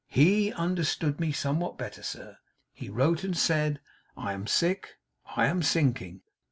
HE understood me somewhat better, sir. He wrote and said, "I am sick. I am sinking.